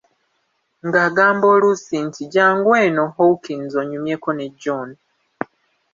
Ng'agamba oluusi nti "Jjangu eno, Hawkins, onyumyeko ne John.